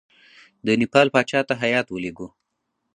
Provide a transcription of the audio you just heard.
د نیپال پاچا ته هیات ولېږو.